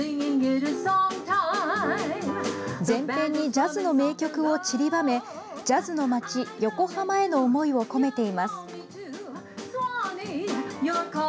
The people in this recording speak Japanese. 全編にジャズの名曲を散りばめジャズの街・横浜への思いを込めています。